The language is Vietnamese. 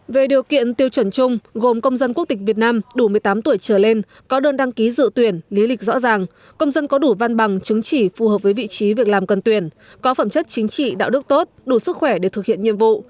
về điều kiện tiêu chuẩn chung gồm công dân quốc tịch việt nam đủ một mươi tám tuổi trở lên có đơn đăng ký dự tuyển lý lịch rõ ràng công dân có đủ văn bằng chứng chỉ phù hợp với vị trí việc làm cần tuyển có phẩm chất chính trị đạo đức tốt đủ sức khỏe để thực hiện nhiệm vụ